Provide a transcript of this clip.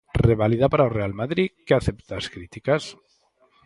Reválida para o Real Madrid, que acepta as críticas.